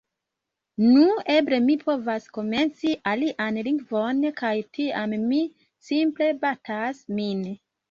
«Nu... Eble mi povas komenci alian lingvon» kaj tiam mi simple batas min